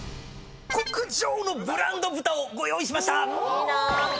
極上のブランド豚をご用意しました。